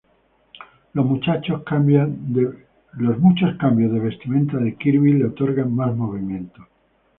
Los muchos cambios de vestimenta de Kirby le otorgan más movimientos.